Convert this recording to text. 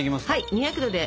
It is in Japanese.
２００℃の。